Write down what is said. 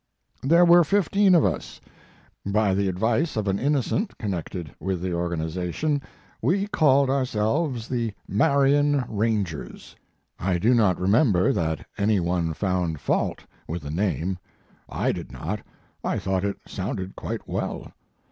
There were fifteen of us. By the advice of an innocent con nected with the organization, we called ourselves the Marion Rangers. I do not remember that any one found fault with the name. I did not ; I thought it sounded quite well.